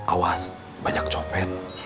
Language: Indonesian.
awas banyak copet